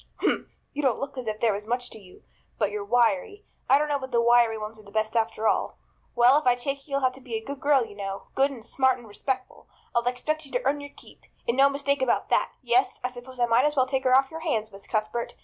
"Humph! You don't look as if there was much to you. But you're wiry. I don't know but the wiry ones are the best after all. Well, if I take you you'll have to be a good girl, you know good and smart and respectful. I'll expect you to earn your keep, and no mistake about that. Yes, I suppose I might as well take her off your hands, Miss Cuthbert.